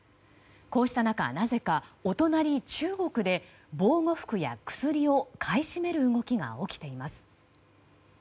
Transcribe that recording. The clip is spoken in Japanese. こうした中、なぜかお隣の中国で防護服や薬を買い占める動きが起きています。